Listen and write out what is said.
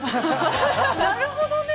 なるほどね。